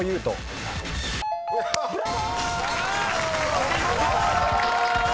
［お見事！］